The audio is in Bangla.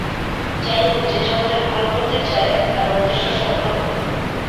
যাই হোক, যে জগতের ভাল করতে চায়, তার উদ্দেশ্য সফল হোক।